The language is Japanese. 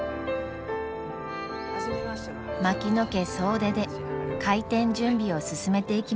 槙野家総出で開店準備を進めていきました。